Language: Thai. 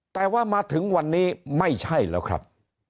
แต่ว่ามาถึงวันนี้ไม่ใช่แล้วครับ